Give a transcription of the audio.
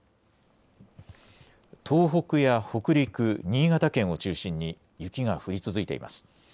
東北や北陸、新潟県を中心に雪が降り続いています。